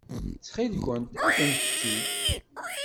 Ttxil-kent, afemt-t-id.